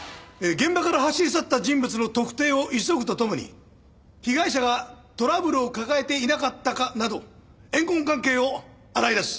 現場から走り去った人物の特定を急ぐと共に被害者がトラブルを抱えていなかったかなど怨恨関係を洗い出す。